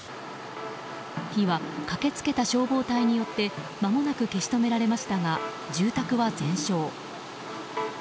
火は駆けつけた消防隊によってまもなく消し止められましたが住宅は全焼。